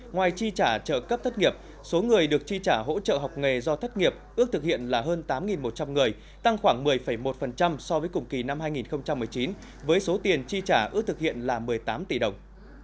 ngoài chi trả trợ cấp thất nghiệp số người được chi trả hỗ trợ học nghề do thất nghiệp ước thực hiện là hơn tám một trăm linh người tăng khoảng một mươi một so với cùng kỳ năm hai nghìn một mươi chín với số tiền chi trả ước thực hiện là một mươi tám tỷ đồng